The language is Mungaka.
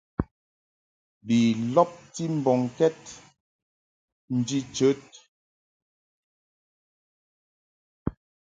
Bi lɔbti mbɔŋkɛd nji chəd.